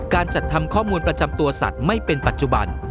การจัดทำข้อมูลประจำตัวสัตว์ไม่เป็นปัจจุบัน